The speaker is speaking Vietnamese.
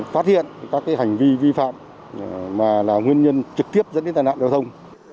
phát hiện các hành vi vi phạm mà là nguyên nhân trực tiếp dẫn đến tai nạn giao thông